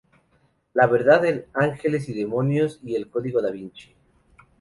La verdad en Angeles y Demonios y el Código Da Vinci.